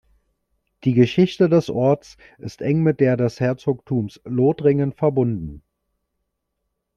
Die Geschichte des Orts ist eng mit der des Herzogtums Lothringen verbunden.